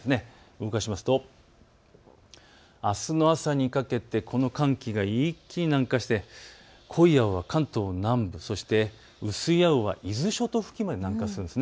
動かしますとあすの朝にかけてこの寒気が一気に南下して濃い青が関東の南部、そして薄い青は伊豆諸島付近まで南下するんです。